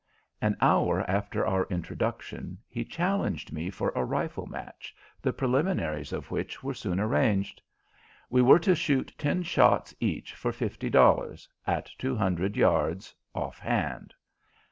An hour after our introduction he challenged me for a rifle match, the preliminaries of which were soon arranged. We were to shoot ten shots each for fifty dollars, at two hundred yards, off hand.